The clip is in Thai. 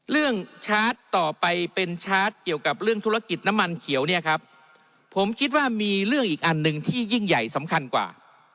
ชาร์จต่อไปเป็นชาร์จเกี่ยวกับเรื่องธุรกิจน้ำมันเขียวเนี่ยครับผมคิดว่ามีเรื่องอีกอันหนึ่งที่ยิ่งใหญ่สำคัญกว่า